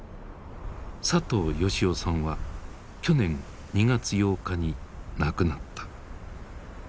佐藤吉男さんは去年２月８日に亡くなった。